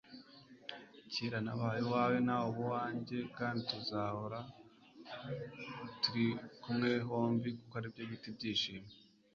kera nabaye uwawe nawe wabaye uwanjye. kandi tuzaguma hamwe mumarira yombi n'ibitwenge. kubera ko aribyo bita bishimye